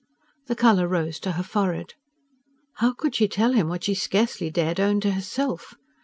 The colour rose to her forehead. How could she tell him what she scarcely dared own to herself?